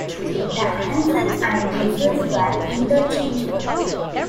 The handsets and bases were interchangeable.